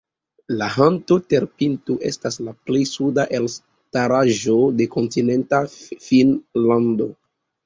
La Hanko-terpinto estas la plej suda elstaraĵo de kontinenta Finnlando.